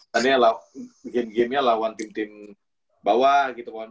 kan dia game gamenya lawan tim tim bawah gitu